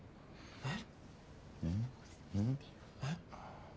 えっ！？